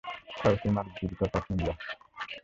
কাগজটির মালিক Digital First media.